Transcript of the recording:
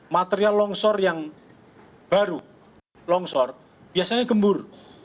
material longsor yang baru longsor biasanya gembur